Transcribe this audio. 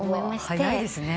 早いですね。